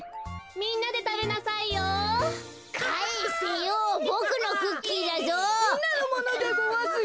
みんなのものでごわすよ。